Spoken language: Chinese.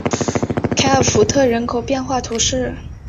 凯尔福特人口变化图示